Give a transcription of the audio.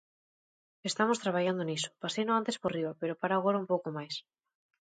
Estamos traballando niso; paseino antes por riba pero paro agora un pouco máis.